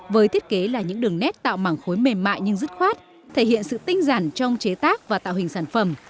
với thiết kế là những đường nét tạo mảng khối mềm mại nhưng dứt khoát thể hiện sự tinh giản trong chế tác và tạo hình sản phẩm